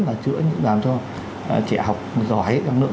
nữa làm cho trẻ học giỏi năng lượng